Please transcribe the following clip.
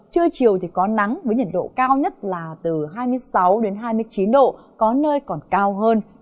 trưa chiều thì có nắng với nhiệt độ cao nhất là từ hai mươi sáu hai mươi chín độ có nơi còn cao hơn